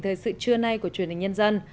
thời sự trưa nay của truyền hình nhân dân